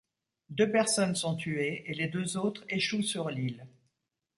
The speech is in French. Deux personnes sont tuées et les deux autres échouent sur l’île.